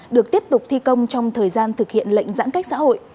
được tiếp tục thi công trong thời gian thực hiện lệnh giãn cách xã hội